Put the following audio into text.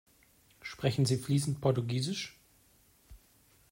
Sprechen Sie fließend Portugiesisch?